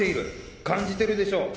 感じてるでしょう？